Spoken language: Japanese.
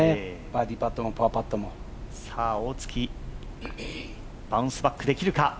バーディーパットも、パーパットも大槻バウンスバックできるか。